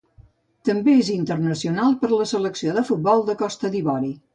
També és internacional per la selecció de futbol de Costa d'Ivori.